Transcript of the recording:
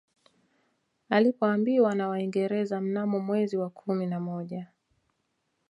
Alipoambiwa na Waingereza mnamo mwezi wa kumi na moja